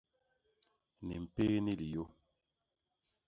Ni mpéé ni liyô.